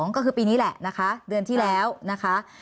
ก็คือปีนี้แหละนะคะเดือนที่แล้วนะคะ